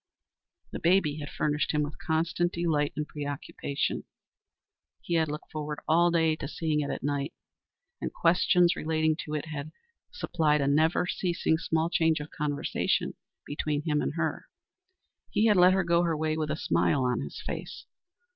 The baby had furnished him with constant delight and preoccupation. He had looked forward all day to seeing it at night, and questions relating to it had supplied a never ceasing small change of conversation between him and her. He had let her go her way with a smile on his face.